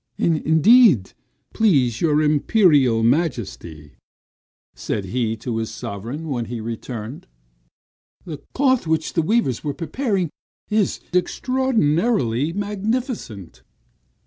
"Indeed, please your Imperial Majesty," said he to his sovereign when he returned, "the cloth which the weavers are preparing is extraordinarily magnificent."